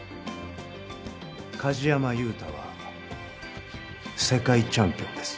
梶山裕太は世界チャンピオンです。